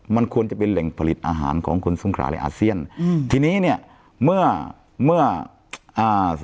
มันควรจะเป็นแหล่งผลิตอาหารของคุณสงคราในอาเซียนอืมทีนี้เนี้ยเมื่อเมื่ออ่า